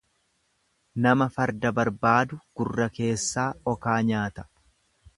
Nama farda barbaadu gurra keessaa okaa nyaata.